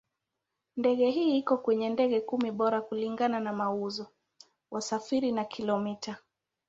Ndege hii iko kwenye ndege kumi bora kulingana na mauzo, wasafiri na kilomita.